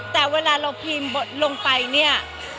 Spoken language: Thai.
แต่เวลาเราพิมพ์บทลงไปเนี่ย